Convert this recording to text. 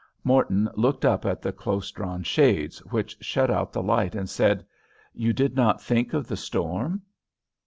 Morton looked up at the close drawn shades, which shut out the light, and said, "You did not think of the storm?"